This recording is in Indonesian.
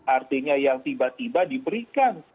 artinya yang tiba tiba diberikan